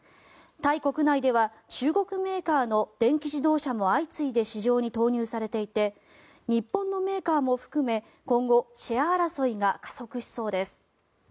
タイ国内では中国メーカーの電気自動車も相次いで市場に投入されていて日本のメーカーも含め今後、シェア争いが加速しそうです。